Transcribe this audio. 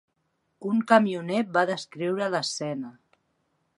Un camioner va descriure l'escena.